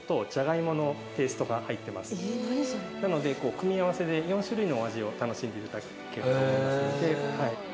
なので組み合わせで４種類のお味を楽しんでいただけると思います。